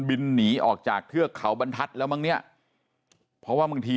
บินหนีออกจากเทือกเขาบรรทัศน์แล้วมั้งเนี้ยเพราะว่าบางที